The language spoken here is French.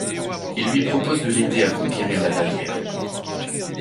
Il lui propose de l'aider à conquérir la Bavière.